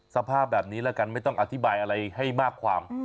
สภาพแบบนี้แล้วกันไม่ต้องอธิบายอะไรให้มากความ